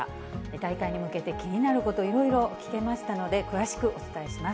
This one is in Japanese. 大会に向けて、気になること、いろいろ聞けましたので、詳しくお伝えします。